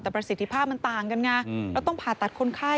แต่ประสิทธิภาพมันต่างกันไงเราต้องผ่าตัดคนไข้